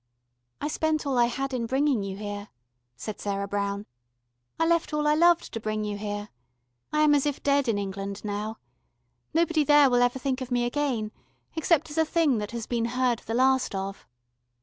"I spent all I had in bringing you here," said Sarah Brown. "I left all I loved to bring you here. I am as if dead in England now. Nobody there will ever think of me again, except as a thing that has been heard the last of."